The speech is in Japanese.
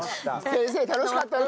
先生楽しかったです。